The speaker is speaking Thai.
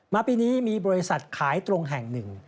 ปีนี้มีบริษัทขายตรงแห่งหนึ่ง